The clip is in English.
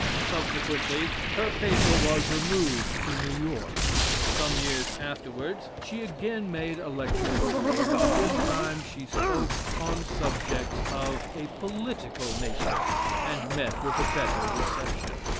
Subsequently, her paper was removed to New York. Some years afterwards, she again made a lecturing tour, but this time she spoke on subjects of a political nature, and met with a better reception.